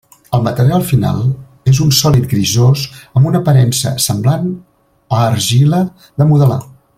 El material final és un sòlid grisós amb una aparença semblant a argila de modelar.